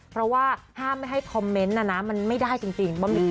เพราะว่าถ้าไม่ให้คอมเม็ตต์มันไม่ได้จริงมั้ย